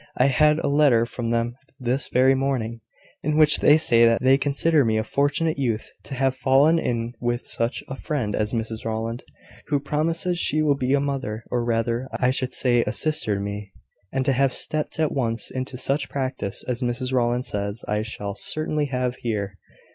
I had a letter from them this very morning, in which they say that they consider me a fortunate youth to have fallen in with such a friend as Mrs Rowland, who promises she will be a mother, or rather, I should say, a sister to me, and to have stepped at once into such practice as Mrs Rowland says I shall certainly have here.